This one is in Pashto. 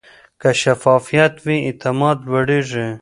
که شفافیت وي، اعتماد لوړېږي.